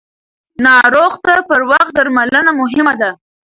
ناروغ ته پر وخت درملنه مهمه ده.